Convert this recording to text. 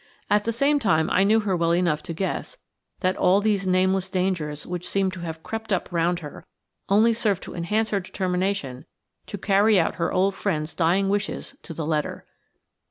At the same time I knew her well enough to guess that all these nameless dangers which seemed to have crept up round her only served to enhance her determination to carry out her old friend's dying wishes to the letter.